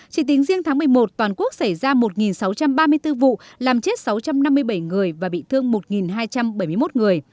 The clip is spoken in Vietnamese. chỉ tính riêng tháng một mươi một toàn quốc xảy ra một sáu trăm ba mươi bốn vụ làm chết sáu trăm năm mươi bảy người và bị thương một hai trăm bảy mươi một người